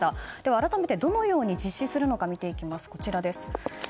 改めてどのように実施するのか見ていきます。